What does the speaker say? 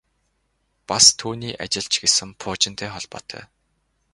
Бас түүний ажил ч гэсэн пуужинтай холбоотой.